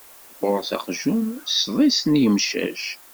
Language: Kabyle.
Ɣur-s aqjun d sḍis n yemcac.